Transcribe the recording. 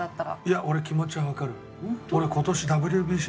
いや俺気持ちはわかる。